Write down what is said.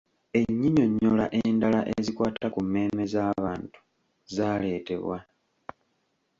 Ennyinyonnyola endala ezikwata ku mmeeme z’abantu zaaleetebwa.